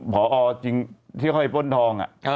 ผอจิงที่เข้าไปป้นทองอ่ะ